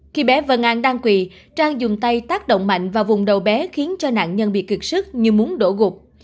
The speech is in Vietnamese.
khi bé vân an đang quỳ trang dùng tay tác động mạnh vào vùng đầu bé khiến cho nạn nhân bị cực sức nhưng muốn đổ gục